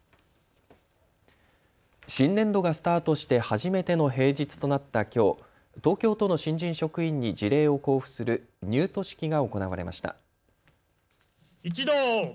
新年度がスタートして初めての平日となったきょう東京都の新人職員に辞令を交付する入都式が行われました。